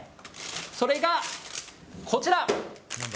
それがこちら。